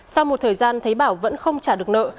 sau một thời gian thấy bảo vẫn không trả được nợ